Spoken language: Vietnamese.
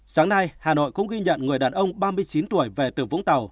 sáng nay hà nội cũng ghi nhận người đàn ông ba mươi chín tuổi về từ vũng tàu